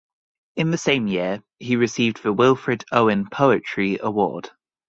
In the same year, he received the Wilfred Owen Poetry Award.